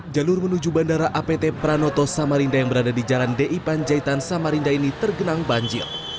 jalur menuju bandara apt pranoto samarinda yang berada di jalan di panjaitan samarinda ini tergenang banjir